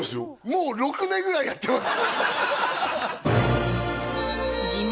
もう６年ぐらいやってます